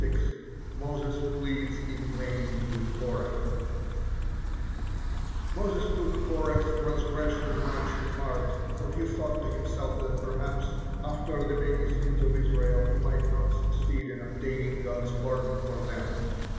MOSES PLEADS IN VAIN WITH KORAH Moses took Korah's transgression much to heart, for he thought to himself that perhaps, after the many sins of Israel, he might not succeed in obtaining God's pardon for them.